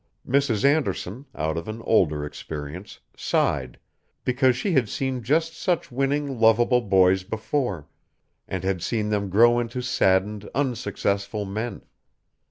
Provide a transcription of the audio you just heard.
Mrs. Anderson, out of an older experience, sighed, because she had seen just such winning, lovable boys before, and had seen them grow into saddened, unsuccessful men.